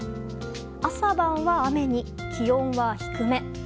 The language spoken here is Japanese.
朝晩は雨に、気温は低め。